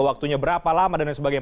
waktunya berapa lama dan lain sebagainya